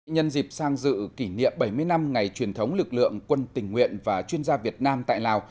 nhân dịp sang dự kỷ niệm bảy mươi năm ngày truyền thống lực lượng quân tình nguyện và chuyên gia việt nam tại lào